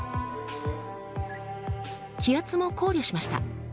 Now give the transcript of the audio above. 気圧も考慮しました。